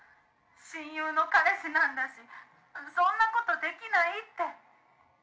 「親友の彼氏なんだしそんな事できないって」